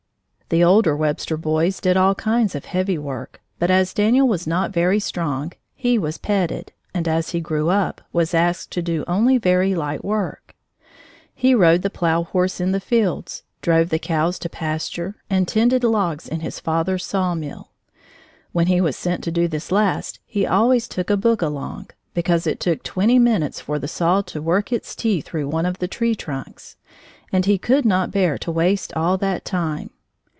The older Webster boys did all kinds of heavy work, but as Daniel was not very strong, he was petted, and as he grew up, was asked to do only very light work. He rode the plow horse in the fields, drove the cows to pasture, and tended logs in his father's sawmill. When he was sent to do this last, he always took a book along, because it took twenty minutes for the saw to work its teeth through one of the tree trunks, and he could not bear to waste all that time.